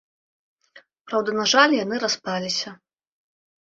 Праўда, на жаль, яны распаліся.